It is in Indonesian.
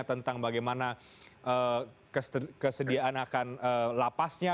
tentang bagaimana kesediaan akan lapasnya